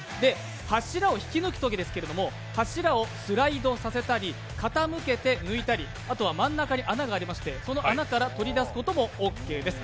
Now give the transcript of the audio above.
柱を引き抜くときですけど、柱をスライドさせたり傾けて抜いたりあとは真ん中に穴がありましてその穴から取り出すこともＯＫです。